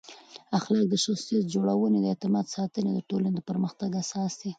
اخلاق د شخصیت جوړونې، د اعتماد ساتنې او د ټولنې د پرمختګ اساس دی.